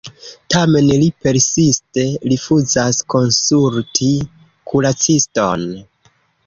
Tamen li persiste rifuzas konsulti kuraciston.